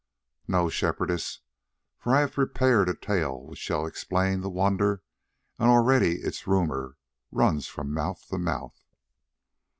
"No, Shepherdess, for I have prepared a tale which shall explain the wonder, and already its rumour runs from mouth to mouth.